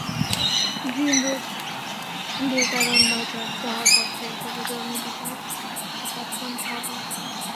Green Road দিয়ে কারওয়ান বাজার যাওয়ার পথে সবুজ রঙের বিশাল অ্যাপার্টমেন্ট ভবন।